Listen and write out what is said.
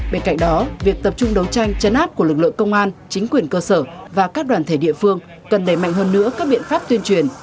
bên cạnh đó việc tập trung đấu tranh chấn áp của lực lượng công an chính quyền cơ sở và các đoàn thể địa phương cần đẩy mạnh hơn nữa các biện pháp tuyên truyền